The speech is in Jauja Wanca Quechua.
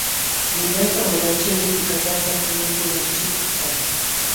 Ninata walachiy millkapata yanukunanchikpaq.